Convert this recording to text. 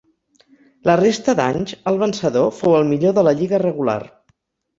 La resta d'anys el vencedor fou el millor de la lliga regular.